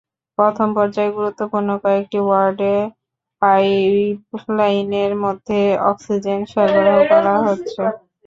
প্রথম পর্যায়ে গুরুত্বপূর্ণ কয়েকটি ওয়ার্ডে পাইপলাইনের মাধ্যমে অক্সিজেন সরবরাহ করা হচ্ছে।